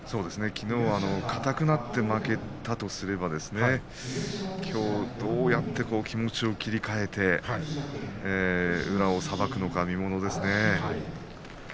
きのうは硬くなって負けたとすればきょう、どうやって気持ちを切り替えて宇良をさばくのか見ものですね。